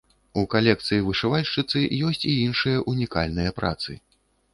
У калекцыі вышывальшчыцы ёсць і іншыя унікальныя працы.